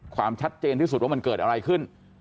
ความชัดเจนที่สุดว่ามันเกิดอะไรขึ้น